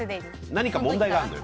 何か問題があるのよ。